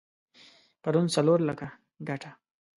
پرون څلور لکه ګټه؛